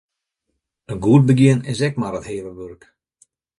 In goed begjin is ek mar it heale wurk.